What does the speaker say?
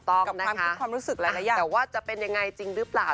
แต่ว่าจะเป็นยังไงจริงหรือเปล่า